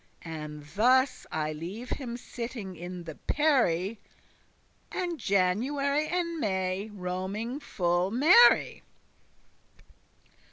And thus I leave him sitting in the perry,* *pear tree And January and May roaming full merry.